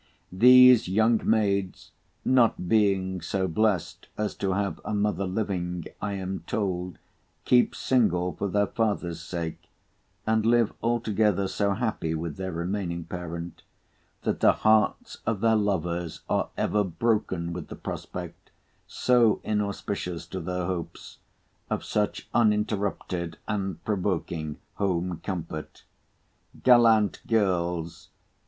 These young maids, not being so blest as to have a mother living, I am told, keep single for their father's sake, and live altogether so happy with their remaining parent, that the hearts of their lovers are ever broken with the prospect (so inauspicious to their hopes) of such uninterrupted and provoking home comfort. Gallant girls!